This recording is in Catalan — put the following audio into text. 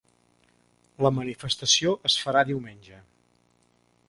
La manifestació es farà diumenge